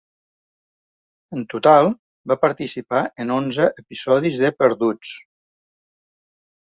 En total, va participar en onze episodis de "Perduts".